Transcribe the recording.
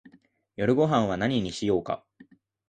夜ごはんは何にしようか